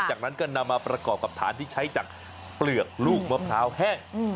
จากนั้นก็นำมาประกอบกับฐานที่ใช้จากเปลือกลูกมะพร้าวแห้ง